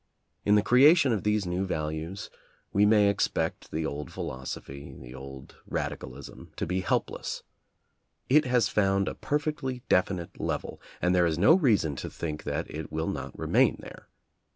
In the creation of these new values, we may expect the old philosophy, the old radicalism, to be helpless. It has found a perfectly definite level, and there is no reason to think that it will not remain there.